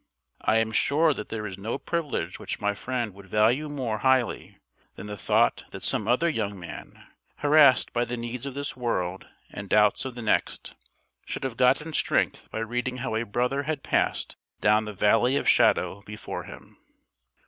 I am sure that there is no privilege which my friend would value more highly than the thought that some other young man, harassed by the needs of this world and doubts of the next, should have gotten strength by reading how a brother had passed down the valley of shadow before him.